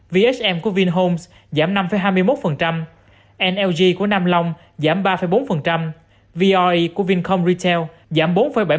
vhm của vinhomes giám năm hai mươi một nlg của nam long giám ba bốn voe của vincom retail giám bốn bảy mươi bốn